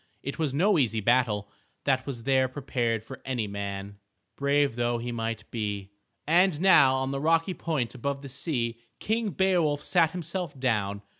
It was no easy battle that was there prepared for any man, brave though he might be. And now on the rocky point above the sea King Beowulf sat himself down.